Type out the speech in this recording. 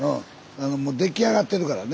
もう出来上がってるからね。